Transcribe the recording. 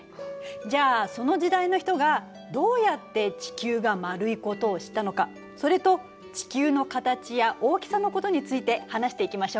じゃあその時代の人がどうやって地球が丸いことを知ったのかそれと地球の形や大きさのことについて話していきましょうか。